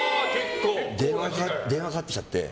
電話かかってきちゃって。